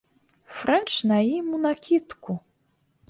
Фрэнч на ім унакідку.